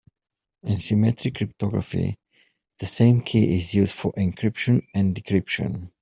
In symmetric cryptography the same key is used for encryption and decryption.